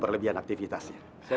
terima kasih dok